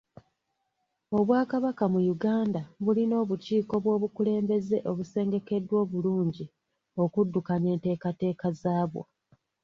Obwakabaka mu Uganda bulina obukiiko bw'obukulembeze obusengekeddwa obulungi okuddukanya enteekateeka zaabwo.